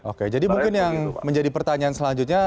oke jadi mungkin yang menjadi pertanyaan selanjutnya